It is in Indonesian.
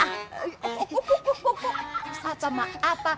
susah tuh emak apa